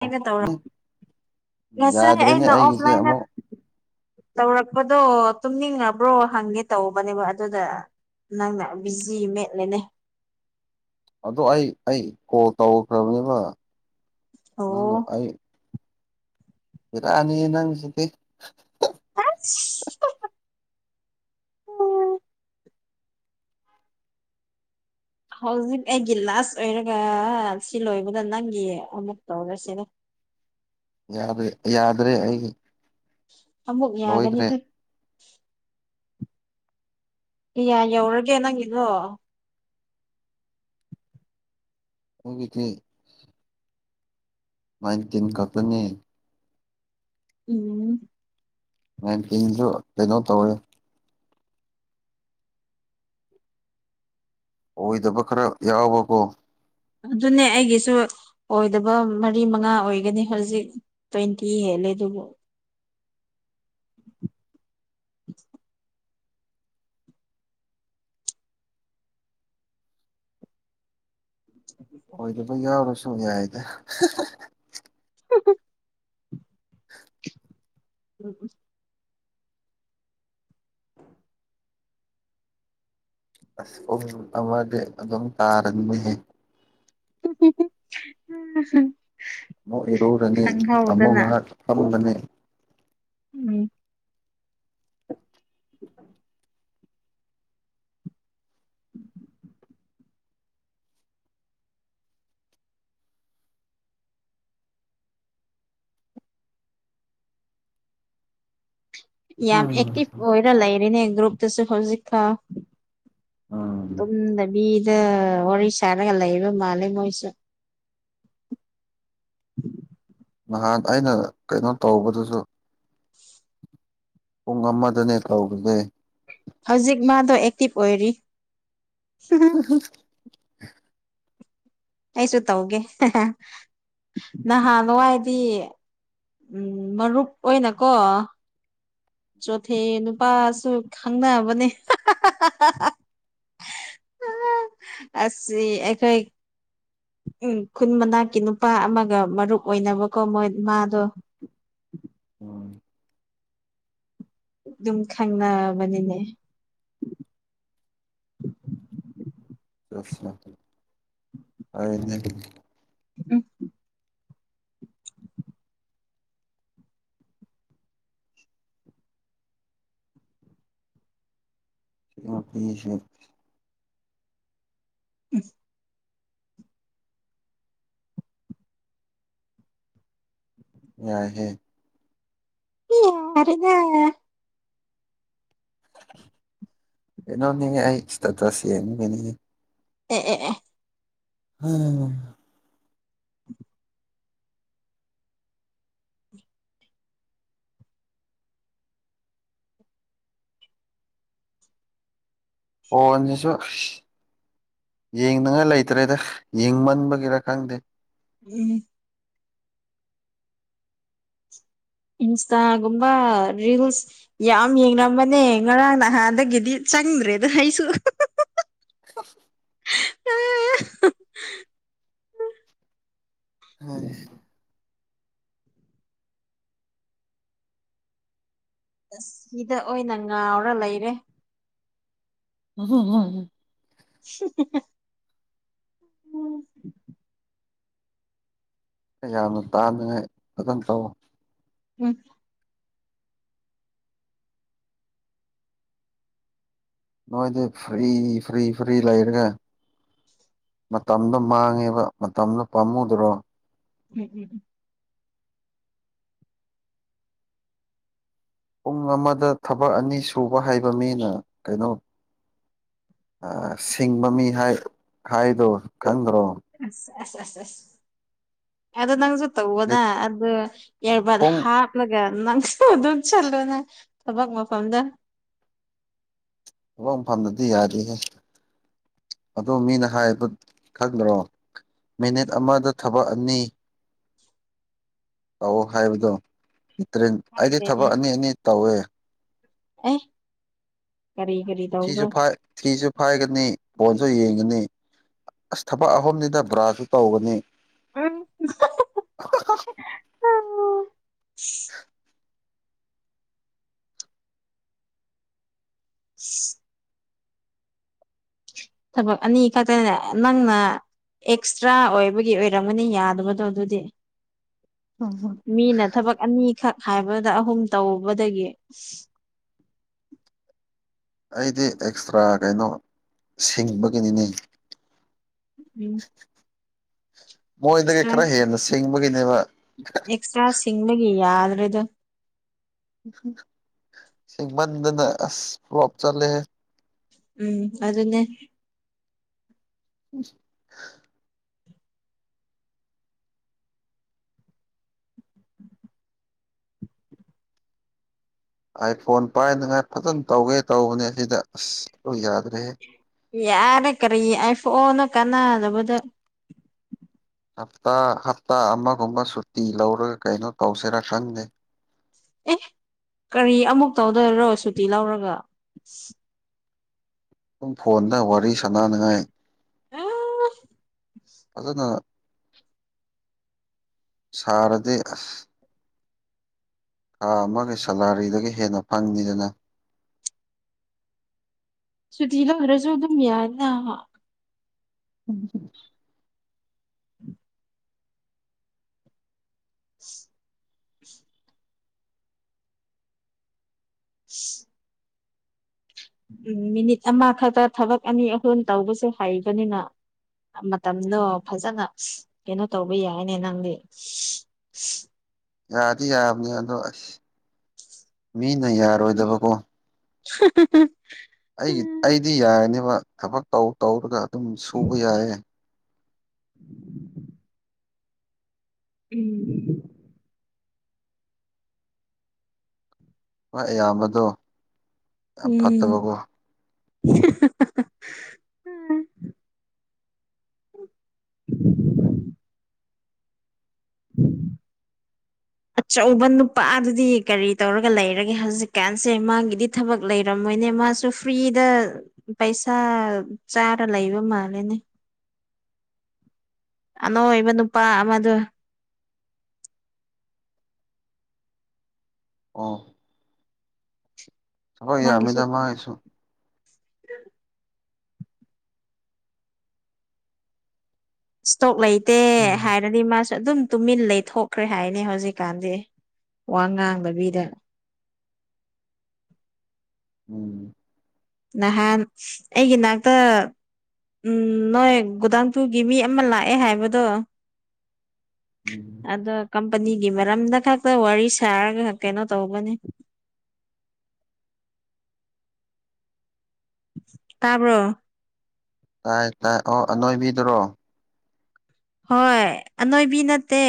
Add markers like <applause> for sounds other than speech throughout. ꯑꯩꯒ ꯇꯧꯔꯣ ꯉꯁꯥꯏ ꯌꯥꯗ꯭ꯔꯦꯅꯦ ꯑꯩꯅ ꯑꯩꯒꯤꯁꯦ ꯑꯣꯐꯂꯥꯏꯟꯗ ꯑꯃꯨꯛ ꯇꯧꯔꯛꯄꯗꯣ ꯇꯨꯝꯅꯤꯡꯉꯕ꯭ꯔꯣ ꯍꯪꯒꯦ ꯇꯧꯕꯅꯦꯕ ꯑꯗꯨꯗ ꯅꯪꯅ ꯕꯤꯖꯤ ꯃꯦꯠꯂꯦꯅꯦ ꯑꯗꯣ ꯑꯩ ꯑꯩ ꯀꯣꯜ ꯇꯧꯈ꯭ꯔꯕꯅꯦꯕ ꯑꯣ ꯅꯪꯅ ꯑꯩ ꯕꯦꯔꯅꯦꯍꯦ ꯅꯪꯁꯤꯗꯤ ꯑꯁ <unintelligible> <unintelligible> ꯍꯧꯖꯤꯛ ꯑꯩꯒꯤ ꯂꯥꯁ ꯑꯣꯏꯔꯒ ꯁꯤ ꯂꯣꯏꯕꯗ ꯅꯪꯒꯤ ꯑꯃꯨꯛ ꯇꯧꯔꯁꯤꯅꯦ ꯌꯥꯗ꯭ꯔꯦ ꯌꯥꯗ꯭ꯔꯦ ꯑꯩꯒꯤ ꯑꯃꯨꯛ ꯂꯣꯏꯈ꯭ꯔꯦ ꯌꯥꯒꯅꯤꯗ ꯀꯌꯥ ꯌꯧꯔꯒꯦ ꯅꯪꯒꯤꯗꯣ ꯑꯩꯒꯤꯗꯤ ꯅꯥꯏꯟꯇꯤꯟ ꯈꯛꯇꯅꯦ ꯎꯝ ꯅꯥꯏꯟꯇꯤꯟꯁꯨ ꯀꯩꯅꯣ ꯇꯧꯋꯦ ꯑꯣꯏꯗꯕ ꯈꯔ ꯌꯥꯎꯕꯀꯣ ꯑꯗꯨꯅꯦ ꯑꯩꯒꯤꯁꯨ ꯑꯣꯏꯗꯕ ꯃꯔꯤ ꯃꯉꯥ ꯑꯣꯏꯒꯅꯤ ꯍꯧꯖꯤꯛ ꯇ꯭ꯋꯦꯟꯇꯤ ꯍꯦꯜꯂꯦ ꯑꯗꯨꯕꯨ <inaudible> <inaudible> ꯑꯣꯏꯗꯕ ꯌꯥꯎꯔꯁꯨ ꯌꯥꯏꯗ <unintelligible> <inaudible> <inaudible> ꯑꯁ ꯄꯨꯡ ꯑꯃꯗꯤ ꯑꯗꯨꯝ ꯇꯥꯔꯅꯤꯍꯦ ꯎꯝ <unintelligible> ꯑꯃꯨꯛ ꯏꯔꯧꯔꯅꯤ ꯑꯃꯨꯛ ꯉꯥꯏꯍꯥꯛ ꯐꯝꯂꯅꯤ ꯎꯝ ꯎꯝ <inaudible> ꯎꯝ <inaudible> ꯌꯥꯝ ꯎꯝ ꯑꯦꯛꯇꯤꯚ ꯑꯣꯏꯔ ꯂꯩꯔꯤꯅꯦ ꯒ꯭ꯔꯨꯞꯇꯁꯨ ꯍꯧꯖꯤꯛꯐꯥꯎ ꯎꯝ ꯇꯨꯝꯗꯕꯤꯗ ꯋꯥꯔꯤ ꯁꯥꯔꯒ ꯂꯩꯕ ꯃꯥꯜꯂꯦ ꯃꯣꯏꯁꯦ ꯅꯍꯥꯟ ꯑꯩꯅ ꯀꯩꯅꯣ ꯇꯧꯕꯗꯨꯁꯨ ꯄꯨꯡ ꯑꯃꯗꯅꯦ ꯇꯧꯕꯁꯦ ꯍꯧꯖꯤꯛ ꯃꯥꯗꯣ ꯑꯦꯛꯇꯤꯚ ꯑꯣꯏꯔꯤ ꯑꯩꯁꯨ ꯇꯧꯒꯦ ꯅꯍꯥꯟ ꯋꯥꯏꯗꯤ ꯎꯝ ꯃꯔꯨꯞ ꯑꯣꯏꯅꯀꯣ ꯆꯣꯊꯦ ꯅꯨꯄꯥꯁꯨ ꯈꯪꯅꯕꯅꯦ <unintelligible> ꯑꯁꯤ ꯑꯩꯈꯣꯢ ꯎꯝ ꯈꯨꯟ ꯃꯅꯥꯛꯀꯤ ꯅꯨꯄꯥ ꯑꯃꯒ ꯃꯔꯨꯞ ꯑꯣꯏꯅꯕꯀꯣ ꯃꯣꯏ ꯃꯥꯗꯣ ꯎꯝ ꯑꯗꯨꯝ ꯈꯪꯅꯕꯅꯤꯅꯦ ꯆꯁ ꯑ <unintelligible> ꯎꯝ <unintelligible> ꯎꯝ ꯌꯥꯢꯍꯦ <unintelligible> ꯀꯩꯅꯣꯅꯤꯍꯦ ꯑꯩ ꯏꯁꯇꯦꯇꯁ ꯌꯦꯡꯕꯅꯤ ꯑꯦ ꯑꯦ ꯑꯦ <unintelligible> ꯐꯣꯟꯁꯤꯁꯨ ꯍꯥꯏꯁ ꯌꯦꯡꯅꯤꯡꯉꯥꯏ ꯂꯩꯇ꯭ꯔꯦꯗ ꯌꯦꯡꯃꯟꯕꯒꯤꯔꯥ ꯈꯪꯗꯦ ꯎꯝ. ꯏꯟꯁꯇꯥꯒꯨꯝꯕ ꯔꯤꯜꯁ ꯌꯥꯝ ꯌꯦꯡꯔꯝꯕꯅꯦ ꯉꯔꯥꯡ ꯅꯍꯥꯟꯗꯒꯤꯗꯤ ꯆꯪꯗ꯭ꯔꯦꯗ ꯑꯩꯁꯨ <inaudible> ꯑꯁ <unintelligible> ꯁꯤꯗ ꯑꯣꯏꯅ ꯉꯥꯎꯔ ꯂꯩꯔꯦ <unintelligible> <unintelligible> ꯎꯝ ꯌꯥꯝꯅ ꯇꯥꯅꯉꯥꯏ ꯑꯗꯨꯝ ꯇꯧ <unintelligible> ꯅꯣꯏꯗꯤ ꯐ꯭ꯔꯤ ꯐ꯭ꯔꯤ ꯐ꯭ꯔꯤ ꯂꯩꯔꯒ ꯃꯇꯝꯗꯣ ꯃꯥꯡꯉꯦꯕ ꯃꯇꯝꯗꯣ ꯄꯥꯝꯃꯨꯗ꯭ꯔꯣ ꯎꯝ ꯎꯝ ꯎꯝ ꯄꯨꯡ ꯑꯃꯗ ꯊꯕꯛ ꯑꯅꯤ ꯁꯨꯕ ꯍꯥꯏꯕ ꯃꯤꯅ ꯀꯩꯅꯣ ꯑꯥ ꯁꯤꯡꯕ ꯃꯤ ꯍꯥꯢ ꯍꯥꯏꯗꯣ ꯈꯪꯗ꯭ꯔꯣ ꯑꯁ ꯑꯁ ꯑꯁ ꯑꯁ ꯑꯗꯣ ꯅꯪꯁꯨ ꯇꯧꯑꯣꯅ ꯑꯗꯨ ꯏꯌꯔꯕꯠ ꯄꯨꯡ ꯍꯥꯞ ꯃꯥꯒ ꯅꯪꯁꯨ ꯑꯗꯨꯝ ꯆꯠꯂꯣꯅ ꯊꯕꯛ ꯃꯐꯝꯗ ꯐꯝꯃꯗꯤ ꯌꯥꯔꯦꯍꯦ ꯑꯗꯣ ꯃꯤꯅ ꯍꯥꯏꯕ ꯈꯪꯗ꯭ꯔꯣ ꯃꯤꯅꯤꯠ ꯑꯃꯗ ꯊꯕꯛ ꯑꯅꯤ ꯇꯧꯋꯣ ꯍꯥꯏꯕꯗꯣ ꯇ꯭ꯔꯤꯟ ꯑꯩꯗꯤ ꯈꯪꯗꯦꯅꯦ ꯊꯕꯛ ꯑꯅꯤ ꯑꯅꯤ ꯇꯧꯋꯦ ꯑꯦ ꯀꯔꯤ ꯀꯔꯤ ꯇꯧꯕ꯭ꯔꯣ ꯊꯤꯁꯨꯐꯥꯏ ꯊꯤꯁꯨ ꯐꯥꯏꯒꯅꯤ ꯐꯣꯟꯁꯨ ꯌꯦꯡꯒꯅꯤ ꯑꯁ ꯊꯕꯛ ꯑꯍꯨꯝꯅꯤꯗ ꯕ꯭ꯔꯥꯁꯨ ꯇꯧꯒꯅꯤ ꯎꯝ <unintelligible> <unintelligible> ꯊꯕꯛ ꯑꯅꯤ ꯈꯛꯇꯅꯦ ꯅꯪꯅ ꯑꯦꯛꯁꯇ꯭ꯔꯥ ꯑꯣꯏꯕꯒꯤ ꯑꯣꯏꯔꯝꯃꯅꯤ ꯌꯥꯗꯕꯗꯣ ꯑꯗꯨꯗꯤ ꯃꯤꯅ ꯊꯕꯛ ꯑꯅꯤꯈꯛ ꯍꯥꯏꯕꯗ ꯑꯍꯨꯝ ꯇꯧꯕꯗꯒꯤ ꯑꯩꯗꯤ ꯑꯦꯛꯁꯇ꯭ꯔꯥ ꯀꯩꯅꯣ ꯁꯤꯡꯕꯒꯤꯅꯤꯅꯦ ꯎꯝ ꯃꯣꯏꯗꯒꯤ ꯈꯔ ꯑꯦꯛꯁꯇ꯭ꯔꯥ ꯍꯦꯟꯅ ꯁꯤꯡꯕꯒꯤꯅꯦꯕ ꯑꯦꯛꯁꯇ꯭ꯔꯥ ꯁꯤꯡꯕꯥꯒꯤ ꯌꯥꯗ꯭ꯔꯦꯗꯥ ꯁꯤꯡꯃꯟꯗꯅ ꯑꯁ ꯐ꯭ꯂꯣꯞ ꯆꯠꯂꯦ ꯎꯝ ꯑꯗꯨꯅꯦ ꯎ <unintelligible> ꯑꯥꯢꯐꯣꯟ ꯄꯥꯏꯅꯉꯥꯏ ꯐꯖꯅ ꯇꯧꯒꯦ ꯇꯧꯕꯅꯦ ꯁꯤꯗ ꯑꯁ ꯂꯣꯏꯟ ꯌꯥꯗ꯭ꯔꯦꯍꯦ ꯌꯥꯔꯦ ꯀꯔꯤ ꯑꯥꯢꯐꯣꯟꯅꯣ ꯀꯥꯟꯅꯗꯕꯗꯥ ꯍꯞꯇꯥ ꯍꯞꯇꯥ ꯑꯃꯒꯨꯝꯕ ꯁꯨꯇꯤ ꯂꯧꯔꯒ ꯀꯩꯅꯣ ꯇꯧꯁꯤꯔꯥ ꯈꯪꯗꯦ ꯑꯦ ꯀꯔꯤ ꯑꯃꯨꯛ ꯇꯧꯗꯣꯏꯔꯣ ꯁꯨꯇꯤ ꯂꯧꯔꯒ ꯄꯨꯡ ꯐꯣꯟꯗ ꯋꯥꯔꯤ ꯁꯥꯟꯅꯅꯉꯥꯏ ꯐꯖꯅ ꯁꯥꯔꯗꯤ ꯑꯁ ꯊꯥ ꯑꯃꯒꯤ ꯁꯦꯂꯥꯔꯤꯗꯒꯤ ꯍꯦꯟꯅ ꯐꯪꯅꯤꯗꯅ ꯁꯨꯇꯤ ꯂꯧꯗ꯭ꯔꯁꯨ ꯑꯗꯨꯝ ꯌꯥꯏꯅ ꯎꯝ <inaudible> <unintelligible> ꯎꯝ ꯃꯤꯅꯤꯠ ꯑꯃ ꯈꯛꯇ ꯊꯕꯛ ꯑꯅꯤ ꯑꯍꯨꯝ ꯇꯧꯕꯁꯨ ꯍꯩꯕꯅꯤꯅ ꯃꯇꯝꯗꯣ ꯐꯖꯅ ꯀꯩꯅꯣ ꯇꯧꯕ ꯌꯥꯏꯅꯦ ꯅꯪꯗꯤ ꯌꯥꯗꯤ ꯌꯥꯕꯅꯦ ꯑꯗꯣ ꯑꯁ ꯃꯤꯅ ꯌꯥꯔꯣꯏꯗꯕꯀꯣ ꯁꯀꯤ <unintelligible> ꯑꯩꯒꯤ ꯑꯩꯗꯤ ꯌꯥꯔꯅꯦꯕ ꯊꯕꯛ ꯇꯧ ꯇꯧꯔꯒ ꯑꯗꯨꯝ ꯁꯨꯕ ꯌꯥꯏꯌꯦ <inaudible> ꯎꯝ ꯍꯣꯏ ꯑꯌꯥꯝꯕꯗꯣ ꯌꯥꯝ ꯎꯝ ꯐꯠꯇꯕꯀꯣ ꯎ <unintelligible> ꯎꯝ <unintelligible> ꯑꯆꯧꯕ ꯅꯨꯄꯥꯗꯨꯗꯤ ꯀꯔꯤ ꯇꯧꯔꯒ ꯂꯩꯔꯒꯦ ꯍꯧꯖꯤꯛꯀꯥꯟꯁꯦ ꯃꯥꯒꯤꯗꯤ ꯊꯕꯛ ꯂꯩꯔꯝꯃꯣꯏꯅꯦ ꯃꯥꯁꯨ ꯐ꯭ꯔꯤꯗ ꯄꯩꯁꯥ ꯆꯥꯔꯥ ꯂꯩꯕ ꯃꯥꯜꯂꯦꯅꯦ ꯑꯅꯣꯏꯕ ꯅꯨꯄꯥ ꯑꯃꯗꯨ ꯑꯣ ꯍꯣꯏ ꯃꯥꯒꯤꯁꯨ ꯌꯥꯝꯃꯤꯗ ꯃꯥꯏꯁꯨ ꯏꯁꯇꯣꯛ ꯂꯩꯇꯦ ꯍꯥꯏꯔꯗꯤ ꯃꯥꯁꯨ ꯑꯗꯨꯝ ꯇꯨꯃꯤꯟ ꯂꯩꯊꯣꯛꯈ꯭ꯔꯦ ꯍꯥꯏꯅꯦ ꯍꯧꯖꯤꯛꯀꯥꯟꯗꯤ ꯋꯥ ꯉꯥꯡꯗꯕꯤꯗ ꯎꯝ ꯅꯍꯥꯟ ꯑꯩꯒꯤ ꯅꯥꯛꯇ ꯎꯝ ꯅꯣꯏ ꯒꯣꯗꯥꯡꯇꯨꯒꯤ ꯃꯤ ꯑꯃ ꯂꯥꯛꯑꯦ ꯍꯥꯏꯕꯗꯣ <inaudible> ꯑꯗꯣ ꯀꯝꯄꯅꯤꯒꯤ ꯃꯔꯝꯗ ꯈꯛꯇ ꯋꯥꯔꯤ ꯁꯥꯔꯒ ꯀꯩꯅꯣ ꯇꯧꯕꯥꯅꯤ ꯇꯥꯕꯔꯣ ꯇꯥꯏ ꯇꯥꯏ ꯑꯅꯣꯏꯕꯤꯗꯨꯔꯣ ꯍꯣꯏ ꯑꯅꯣꯏꯕꯤ ꯅꯠꯇꯦ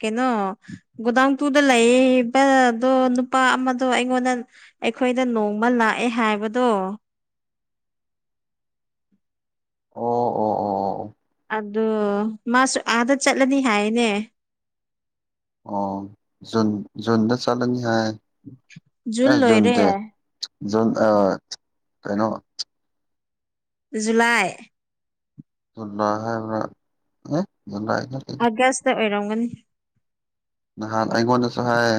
ꯀꯩꯅꯣ ꯒꯣꯗꯥꯎꯟꯇꯨꯗ ꯂꯩꯕꯗꯣ ꯅꯨꯄꯥ ꯑꯃꯗꯣ ꯑꯩꯉꯣꯟꯗ ꯑꯩꯈꯣꯏꯗ ꯅꯣꯡꯃ ꯂꯥꯛꯑꯦ ꯍꯥꯏꯕꯗꯣ ꯑꯣ ꯑꯣ ꯑꯣ ꯑꯣ ꯑꯗꯣ ꯃꯥꯁꯨ ꯑꯥꯗ ꯆꯠꯂꯅꯤ ꯍꯥꯏꯌꯦꯅꯦ ꯑꯣ ꯖꯨꯟ ꯖꯨꯟꯗ ꯆꯠꯂꯅꯤ ꯍꯥꯏ ꯖꯨꯟ ꯑ ꯂꯣꯏꯔꯦ ꯖꯨꯟꯇꯦ ꯖꯨꯟ ꯑ ꯀꯩꯅꯣ ꯖꯨꯂꯥꯏ ꯖꯨꯂꯥꯏ ꯍꯥꯏꯕ꯭ꯔꯥ ꯑꯦ ꯖꯨꯂꯥꯏ ꯅꯠꯇꯦ ꯑꯥꯒꯁꯇ ꯑꯣꯏꯔꯝꯒꯅꯤ ꯅꯍꯥꯟ ꯑꯩꯉꯣꯟꯗꯁꯨ ꯍꯥꯏ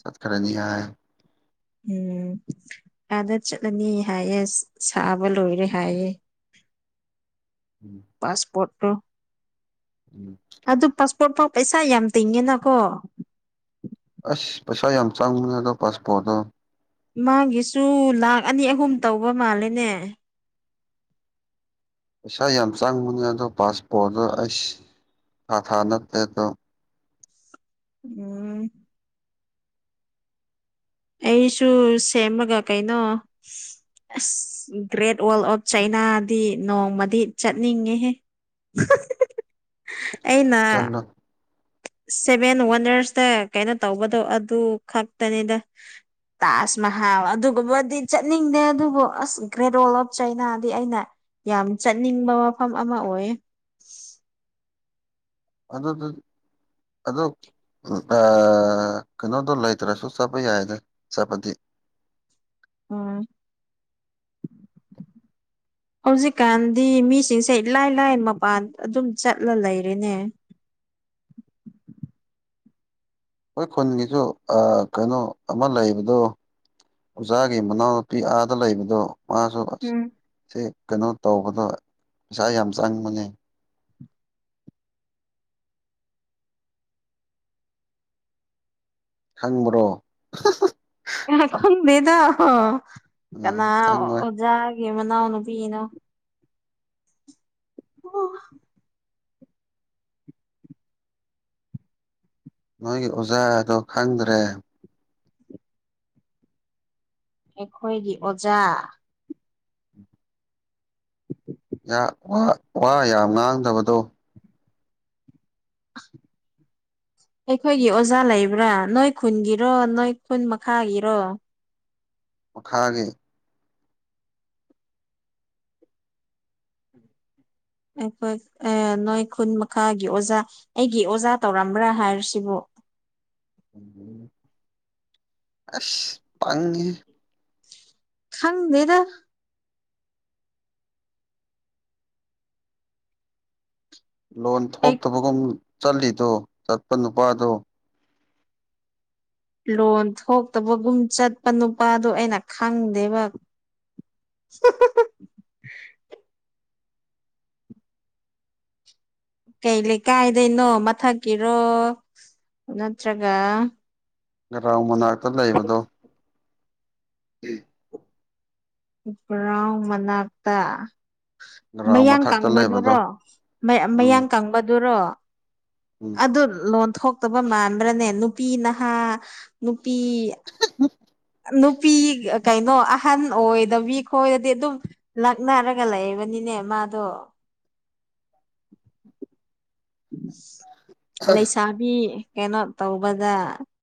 ꯆꯠꯈ꯭ꯔꯅꯤ ꯍꯥꯏ ꯎꯝ ꯑꯥꯗ ꯆꯠꯂꯅꯤ ꯍꯥꯏꯌꯦ ꯁꯥꯕ ꯂꯣꯏꯔꯦ ꯍꯥꯏꯌꯦ <inaudible> ꯎꯝ <unintelligible> <inaudible> ꯄꯥꯁꯄꯣꯔꯠꯇꯨ ꯎꯝ ꯑꯗꯨ ꯄꯥꯁꯄꯣꯔꯠ ꯄꯥꯎ ꯄꯩꯁꯥ ꯌꯥꯝ ꯇꯤꯡꯉꯦꯅꯀꯣ ꯑꯁ ꯄꯩꯁꯥ ꯌꯥꯝ ꯆꯪꯕꯅꯦ ꯑꯗꯣ ꯄꯥꯁꯄꯣꯔꯠꯇꯣ ꯃꯥꯒꯤꯁꯨ ꯂꯥꯛ ꯑꯅꯤ ꯑꯍꯨꯝ ꯇꯧꯕ ꯃꯥꯜꯂꯦꯅꯦ ꯄꯩꯁꯥ ꯌꯥꯝ ꯆꯪꯕꯅꯦ ꯑꯗꯣ ꯄꯥꯁꯄꯣꯔꯠꯇꯣ ꯑꯩꯁ ꯊꯥ ꯊꯥ ꯅꯠꯇꯦ ꯑꯗꯣ ꯎꯝ ꯑꯩꯁꯨ ꯁꯦꯝꯃꯒ ꯀꯩꯅꯣ ꯑꯁ ꯒ꯭ꯔꯦꯠ ꯋꯥꯜ ꯑꯣꯐ ꯆꯩꯅꯥꯗꯤ ꯅꯣꯡꯃꯗꯤ ꯆꯠꯅꯤꯡꯉꯦꯍꯦ ꯑꯩꯅ ꯆꯠꯂꯣ ꯁꯦꯚꯦꯟ ꯋꯥꯟꯗꯔꯁꯇ ꯀꯩꯅꯣ ꯇꯧꯕꯗꯣ ꯑꯗꯨ ꯈꯛꯇꯅꯤꯗ ꯇꯥꯖ ꯃꯍꯥꯜ ꯑꯗꯨꯒꯨꯝꯕꯗꯤ ꯆꯠꯅꯤꯡꯗꯦ ꯑꯗꯨꯕꯨ ꯑꯁ ꯒ꯭ꯔꯦꯠ ꯋꯥꯜ ꯑꯣꯐ ꯆꯩꯅꯥꯗꯤ ꯑꯩꯅ ꯌꯥꯝ ꯆꯠꯅꯤꯡꯕ ꯃꯐꯝ ꯑꯃ ꯑꯣꯏꯌꯦ ꯑꯗꯨꯗꯨ ꯑꯗꯣ ꯎ ꯑ ꯀꯩꯅꯣꯗꯣ ꯂꯩꯇ꯭ꯔꯁꯨ ꯆꯠꯄ ꯌꯥꯏꯗ ꯆꯠꯄꯗꯤ ꯎꯝ ꯍꯧꯖꯤꯛꯀꯥꯟꯗꯤ ꯃꯤꯁꯤꯡꯁꯦ ꯏꯂꯥꯏ ꯂꯥꯏ ꯃꯄꯥꯟ ꯑꯗꯨꯝ ꯆꯠꯂ ꯂꯩꯔꯦꯅꯦ ꯑꯈꯣꯏ ꯈꯨꯟꯒꯤꯁꯨ ꯑ ꯀꯩꯅꯣ ꯑꯃ ꯂꯩꯕꯗꯣ ꯑꯣꯖꯥꯒꯤ ꯃꯅꯥꯎꯅꯨꯄꯤ ꯑꯥꯗ ꯂꯩꯕꯗꯣ ꯃꯥꯁꯨ ꯑꯁ ꯎꯝ ꯁꯤ ꯀꯩꯅꯣ ꯇꯧꯕꯗ ꯄꯩꯁꯥ ꯌꯥꯝ ꯆꯪꯕꯅꯦ ꯈꯪꯕ꯭ꯔꯣ ꯈꯪꯗꯦꯗ ꯎꯝ ꯀꯅꯥ ꯈꯪꯉꯣꯏ ꯑꯣꯖꯥꯒꯤ ꯃꯅꯥꯎꯅꯨꯄꯤꯅꯣ ꯑꯣ <unintelligible> ꯅꯣꯏꯒꯤ ꯑꯣꯖꯥꯗꯣ ꯈꯪꯗ꯭ꯔꯦ ꯑꯩꯈꯣꯏꯒꯤ ꯑꯣꯖꯥ <unintelligible> ꯌꯥ ꯋꯥ <unintelligible> ꯋꯥ ꯌꯥꯝ ꯉꯥꯡꯗꯕꯗꯣ <unintelligible> ꯑꯩꯈꯣꯏꯒꯤ ꯑꯣꯖꯥ ꯂꯩꯕ꯭ꯔꯥ ꯅꯣꯏ ꯈꯨꯟꯒꯤꯔꯣ ꯅꯣꯏ ꯈꯨꯟ ꯃꯈꯥꯒꯤꯔꯣ ꯃꯈꯥꯒꯤ ꯑꯩꯈꯣꯏ ꯑꯦ ꯅꯣꯏ ꯈꯨꯟ ꯃꯈꯥꯒꯤ ꯑꯣꯖꯥ ꯑꯩꯒꯤ ꯑꯣꯖꯥ ꯇꯧꯔꯝꯕ꯭ꯔꯥ ꯍꯥꯏꯔꯤꯁꯤꯕꯨ ꯑꯁ ꯄꯪꯉꯤꯍꯦ ꯈꯪꯗꯦꯗ ꯂꯣꯟ ꯑꯩ ꯊꯣꯛꯇꯕꯒꯨꯝ ꯆꯠꯂꯤꯗꯣ ꯆꯠꯄ ꯅꯨꯄꯥꯗꯣ ꯂꯣꯟ ꯊꯣꯛꯇꯕꯒꯨꯝ ꯆꯠꯄ ꯅꯨꯄꯥꯗꯣ ꯑꯩꯅ ꯈꯪꯗꯦꯕ <unintelligible> ꯀꯩ ꯂꯩꯀꯥꯏꯗꯩꯅꯣ ꯃꯊꯛꯀꯤꯔꯣ ꯅꯠꯇ꯭ꯔꯒ ꯅꯔꯥꯎ ꯃꯅꯥꯛꯇ ꯂꯩꯕꯗꯣ <unintelligible> ꯎꯕ꯭ꯔꯥꯎ ꯃꯅꯥꯛꯇ ꯒ꯭ꯔꯥꯎꯟ ꯃꯌꯥꯡ ꯃꯊꯛꯇ ꯂꯩꯕꯗꯣ ꯀꯪꯕꯗꯨꯔꯣ ꯃ ꯎꯝ ꯃꯌꯥꯡ ꯀꯪ ꯄꯗꯨꯔꯣ ꯎꯝ ꯑꯗꯨ ꯂꯣꯟꯊꯣꯛ ꯇꯕ ꯃꯥꯟꯕ꯭ꯔꯥꯅꯦ ꯅꯨꯄꯤ ꯅꯍꯥ ꯅꯨꯄꯤ <unintelligible> ꯑ ꯅꯨꯄꯤ ꯀꯩꯅꯣ ꯑꯍꯟ ꯑꯣꯏꯗꯕꯤ ꯈꯣꯏꯔꯗꯤ ꯑꯗꯨꯝ ꯂꯛꯅꯔꯒ ꯂꯩꯕꯅꯤꯅꯦ ꯃꯥꯗꯣ <inaudible> ꯂꯩꯁꯥꯕꯤ ꯀꯩꯅꯣ ꯇꯧꯕꯗ